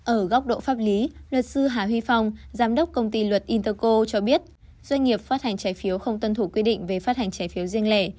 ở góc độ pháp lý luật sư hà huy phong giám đốc công ty luật interco cho biết doanh nghiệp phát hành trái phiếu không tuân thủ quy định về phát hành trái phiếu riêng lẻ